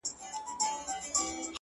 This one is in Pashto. ما ستا لپاره په خزان کي هم کرل گلونه ـ